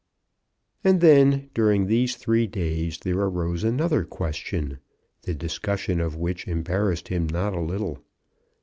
And, then, during these three days there arose another question, the discussion of which embarrassed him not a little.